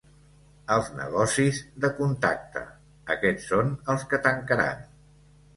Els negocis de contacte, aquests són els que tancaran.